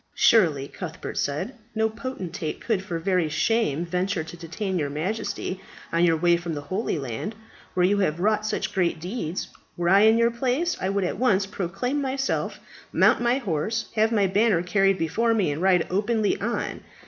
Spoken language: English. "Surely," Cuthbert said, "no potentate could for very shame venture to detain your Majesty on your way from the Holy Land, where you have wrought such great deeds. Were I in your place, I would at once proclaim myself, mount my horse, have my banner carried before me, and ride openly on.